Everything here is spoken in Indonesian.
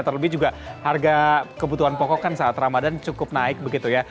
terlebih juga harga kebutuhan pokok kan saat ramadan cukup naik begitu ya